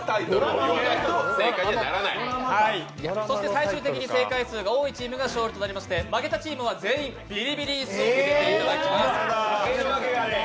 最終的に正解数が多いチームが勝利となりまして、負けたチームは全員ビリビリ椅子を受けていただきます。